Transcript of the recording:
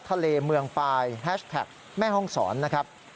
ทะเลเมืองปลายแฮชแท็กแม่ห้องศรนะครับ